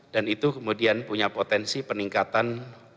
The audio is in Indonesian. dan itu kemudian punya potensi peningkatan